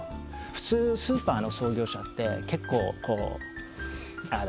普通スーパーの創業者って結構こうああだ